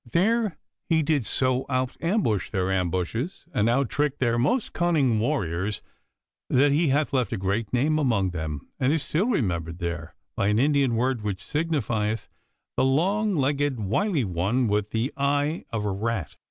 There he did so out ambush their ambushes, and out trick their most cunning warriors, that he hath left a great name among them, and is still remembered there by an Indian word which signifieth 'The long legged wily one with the eye of a rat.